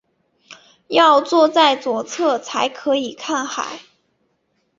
要坐在右侧才可以看海